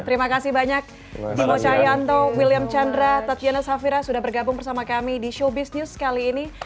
terima kasih banyak dimo cahyanto william chandra tatiana safira sudah bergabung bersama kami di showbiz news kali ini